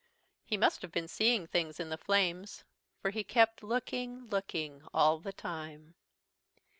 He must have been seeing things in the flames, for he kept looking, looking all the time.